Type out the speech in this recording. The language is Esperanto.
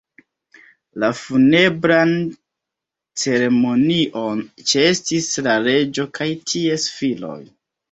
La funebran ceremonion ĉeestis la reĝo kaj ties filoj.